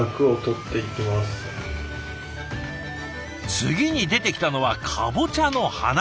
次に出てきたのはカボチャの花。